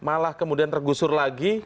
malah kemudian tergusur lagi